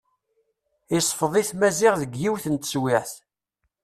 Isfeḍ-it Maziɣ deg yiwet n teswiɛt.